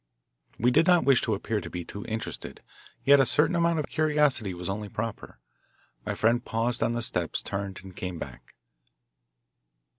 We did not wish to appear to be too interested, yet a certain amount of curiosity was only proper. My friend paused on the steps, turned, and came back.